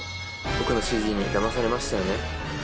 僕のＣＧにだまされましたよね？